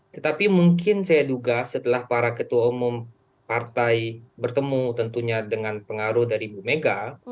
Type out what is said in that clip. tetapi mungkin saya duga setelah para ketua umum partai bertemu tentunya dengan pengaruh dari ibu mega